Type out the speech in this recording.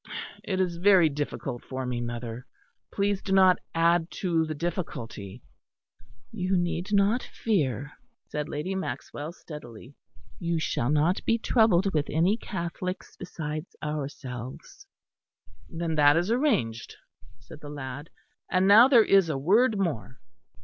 It is very difficult for me, mother; please do not add to the difficulty." "You need not fear," said Lady Maxwell steadily; "you shall not be troubled with any Catholics besides ourselves." "Then that is arranged," said the lad. "And now there is a word more.